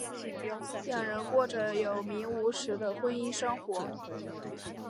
两人过着有名无实的婚姻生活。